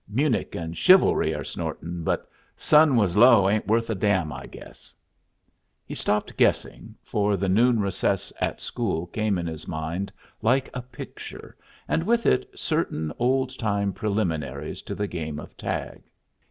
'Munich' and 'chivalry' are snortin', but 'sun was low' ain't worth a damn. I guess " He stopped guessing, for the noon recess at school came in his mind, like a picture, and with it certain old time preliminaries to the game of tag.